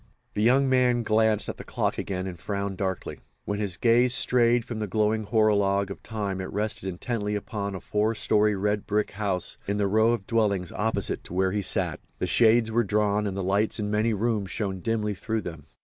The young man glanced at the clock again and frowned darkly. When his gaze strayed from the glowing horologue of time it rested intently upon a four story red brick house in the row of dwellings opposite to where he sat. The shades were drawn, and the lights in many rooms shone dimly through them.